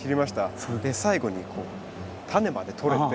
最後にこう種までとれて。